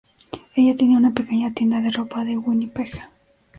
Ella tenía una pequeña tienda de ropa en Winnipeg.